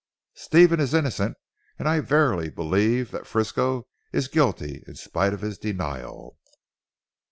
Stephen is innocent, and I verily believe that Frisco is guilty in spite of his denial.